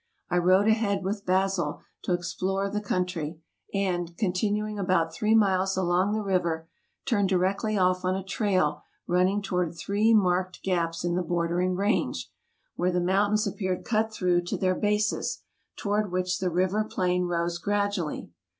I rode ahead with Basil to explore the country, and, continu ing about three miles along the river, turned directly off on a trail running toward three marked gaps in the bordering range, where the mountains appeared cut through to their bases, toward which the river plain rose gradually.